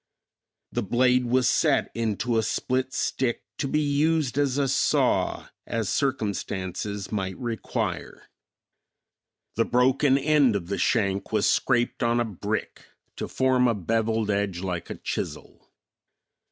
The blade was set into a split stick to be used as a saw, as circumstances might require. The broken end of the shank was scraped on a brick to form a beveled edge like a chisel.